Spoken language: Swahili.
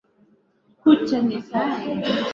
Dada ameshinda tuzo kubwa sana